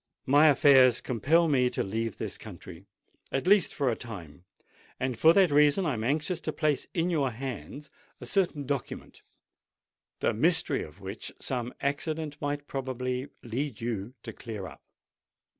"My affairs compel me to leave this country—at least for a time; and for that reason I am anxious to place in your hands a certain document, the mystery of which some accident might probably lead you to clear up."